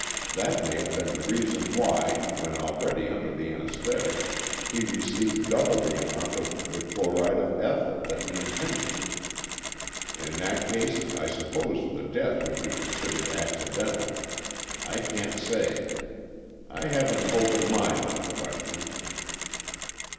That may have been the reason why, when already under the anaesthetic, he received double the amount of the chloride of ethyl that he intended. In that case I suppose the death would be considered accidental. I can't say. I have an open mind on the question."